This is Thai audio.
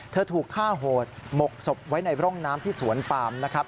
ถูกฆ่าโหดหมกศพไว้ในร่องน้ำที่สวนปามนะครับ